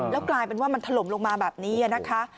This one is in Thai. แล้วกลายเป็นว่ามันถล่มลงมาแบบนี้นะคะ